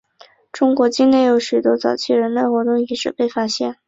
中国境内有多处早期人类活动的遗址被发现。